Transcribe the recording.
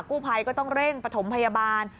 กู้ภัยก็ต้องเร่งปฐมพยาบาล